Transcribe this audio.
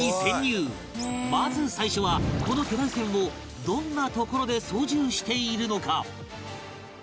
まず最初は巨大船をどんな所で操縦しているのか？